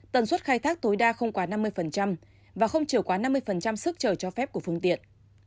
tần suất khai thác tối đa không quá năm mươi và không trở quá năm mươi sức trở cho phép của phương tiện